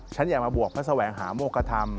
ฉันอย่ามาบวกพระแสวงหาโมกระธรรม